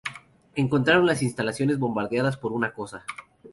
Encontraron las instalaciones bombardeadas por una Cosa.